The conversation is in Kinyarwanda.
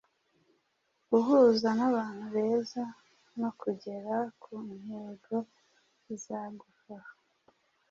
guhuza nabantu beza, no kugera ku ntego bizagufaha